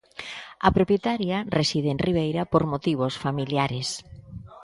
A propietaria reside en Ribeira por motivos familiares.